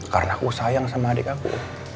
karena aku sayang sama adik aku